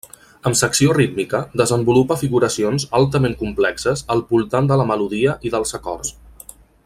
Amb secció rítmica, desenvolupa figuracions altament complexes al voltant de la melodia i dels acords.